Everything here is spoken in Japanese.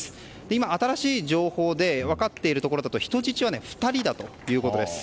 今、新しい情報で分かっているところだと人質は２人だということです。